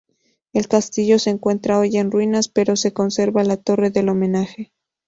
El castillo se encuentra hoy en ruinas pero se conserva la torre del homenaje.